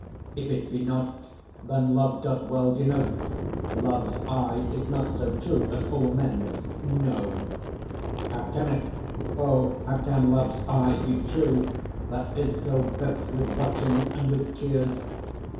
If it be not, then love doth well denote Love's eye is not so true as all men's: no, How can it? O! how can Love's eye be true, That is so vexed with watching and with tears?